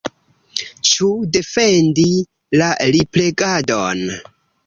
Ĉu defendi la liplegadon?